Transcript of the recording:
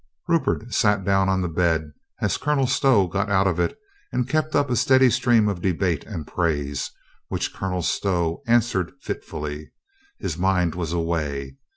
Rupert sat down on the bed as Colonel Stow got out of it and kept up a steady stream of debate and praise, which Colonel Stow answered fitfully. His mind was away.